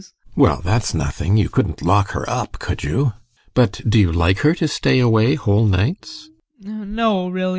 Well, that's nothing. You couldn't lock her up, could you? But do you like her to stay away whole nights?